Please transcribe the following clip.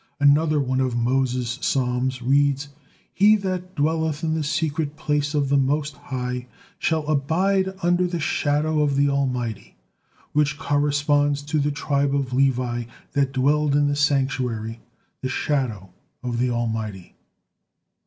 Another one of Moses' psalms reads, "He that dwelleth in the secret place of the most High shall abide under the shadow of the Almighty," which corresponds to the tribe of Levi that dwelled in the sanctuary, the shadow of the Almighty.